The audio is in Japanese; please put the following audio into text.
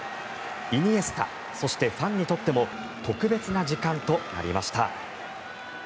イニエスタそしてファンにとっても特別な時間となりました。